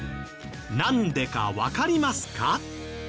なんでかわかりますか？